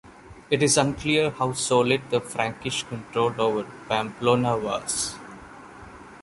It is unclear how solid the Frankish control over Pamplona was.